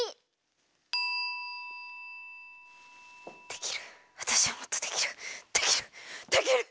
できるわたしはもっとできるできるできる！